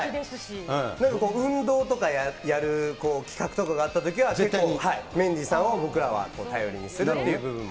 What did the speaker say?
運動とかやる企画とかがあったときには、絶対にメンディーさんを僕らは頼りにするっていう部分も。